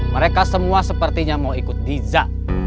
mereka semua sepertinya mau ikut deza